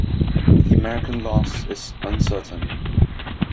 The American loss is uncertain.